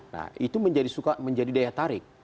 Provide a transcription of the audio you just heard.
nah itu menjadi suka menjadi daya tarik